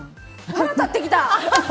腹立ってきた！